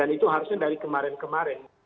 dan itu harusnya dari kemarin kemarin